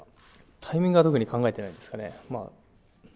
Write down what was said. タイミングは特に考えてないですかね。